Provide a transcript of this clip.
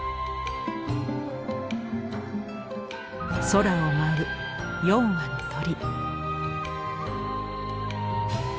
空を舞う４羽の鳥。